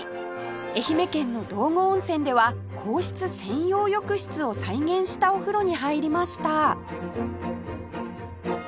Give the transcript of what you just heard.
愛媛県の道後温泉では皇室専用浴室を再現したお風呂に入りました